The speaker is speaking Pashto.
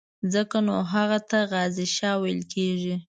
ځکه نو هغه ته غازي شاه ویل کېږي.